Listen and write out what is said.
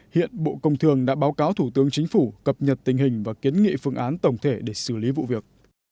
hiện bộ công thường đã báo cáo thủ tướng chính phủ cập nhật tình hình và kiến nghị phương án tổng thể để xử lý vụ việc